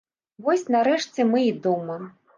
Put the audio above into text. Вось нарэшце мы і дома.